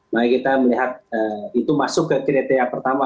mari kita melihat itu masuk ke kriteria pertama